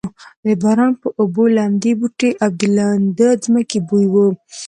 د باران په اوبو لمدې بوټې او د لوندې ځمکې بوی و.